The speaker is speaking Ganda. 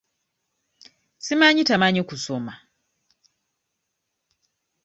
Simanyi tamanyi kusoma?